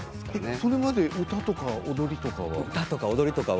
それまでは歌とか踊りとかは？